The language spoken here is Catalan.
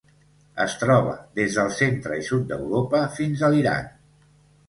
Es troba des del centre i sud d'Europa fins a l'Iran.